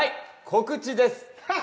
告知です！